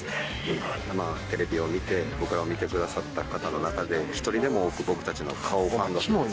今、テレビを見て、僕らを見てくださった人の中で、１人でも多く僕たちの顔を。